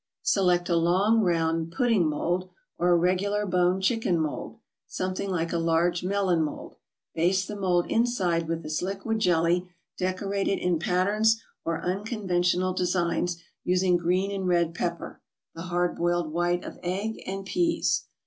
Select a long round pudding mold, or a regular boned chicken mold, something like a large melon mold; baste the mold inside with this liquid jelly, decorate it in patterns or unconventional designs, using green and red pepper, the hard boiled white of egg and peas.